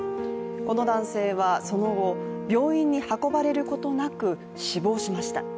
この男性は、その後、病院に運ばれることなく死亡しました。